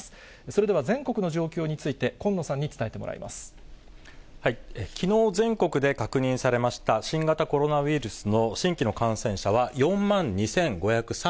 それでは全国の状況について、きのう、全国で確認されました新型コロナウイルスの新規の感染者は４万２５３８人。